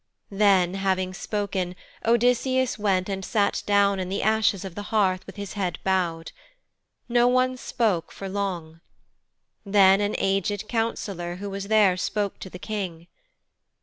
Then, having spoken, Odysseus went and sat down in the ashes of the hearth with his head bowed. No one spoke for long. Then an aged Councillor who was there spoke to the King.